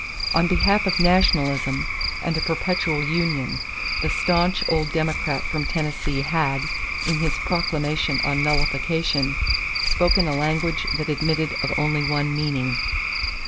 On behalf of nationalism and a perpetual union, the stanch old Democrat from Tennessee had, in his proclamation on nullification, spoken a language that admitted of only one meaning.